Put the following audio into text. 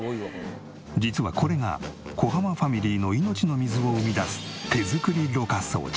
実はこれが小濱ファミリーの命の水を生み出す手作りろ過装置。